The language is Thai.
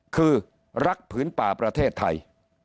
คือรักผืนป่าประเทศไทย